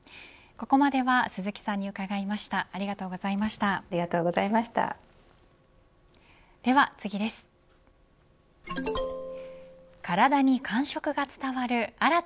ここまでは鈴木さんに伺いました。